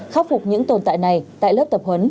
khắc phục những tồn tại này tại lớp tập huấn